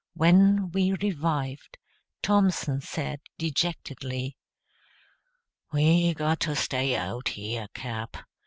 When we revived, Thompson said dejectedly, "We got to stay out here, Cap.